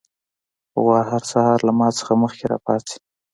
غوا هر سهار له ما نه مخکې راپاڅي.